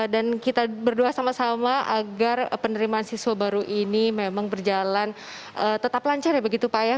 dan kita berdua sama sama agar penerimaan siswa baru ini memang berjalan tetap lancar ya begitu pak ya